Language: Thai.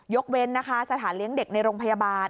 เว้นนะคะสถานเลี้ยงเด็กในโรงพยาบาล